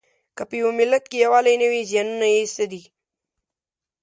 که په یوه ملت کې یووالی نه وي زیانونه یې څه دي؟